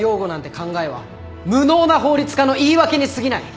考えは無能な法律家の言い訳にすぎない。